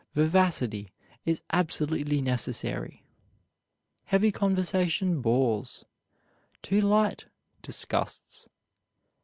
Vivacity is absolutely necessary. Heavy conversation bores; too light, disgusts.